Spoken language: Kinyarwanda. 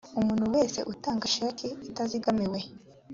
umuntu wese utanga sheki itazigamiwe